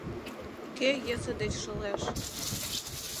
Кӧ йӧсӧ деч шылеш